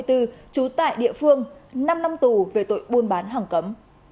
trú tại địa phương năm năm tù về tội buôn bán hàng cấm